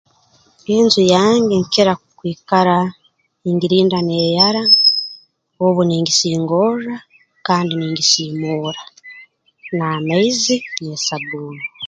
Enju yange nkira kwikara ningirinda neeyara obu ningisingorra kandi ningisiimuura n'amaizi n'esabbuuni